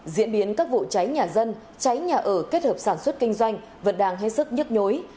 diễn biến các vụ cháy nhà dân cháy nhà ở kết hợp sản xuất kinh doanh vẫn đang hết sức nhức nhối